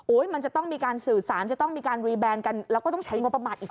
มันจะต้องมีการสื่อสารจะต้องมีการรีแบนกันแล้วก็ต้องใช้งบประมาณอีก